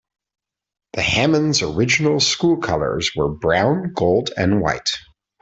The Hammond's original school colors were brown, gold and white.